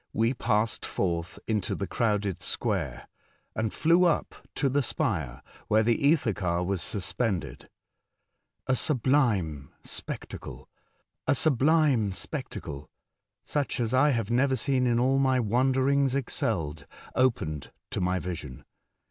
we passed forth into the crowded square, and flew up to the spire where the ether car was suspended. A subUme spectacle (such as I have never seen in all my wanderings excelled) opened to our vision.